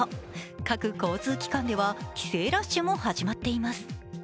各交通機関では、帰省ラッシュも始まっています。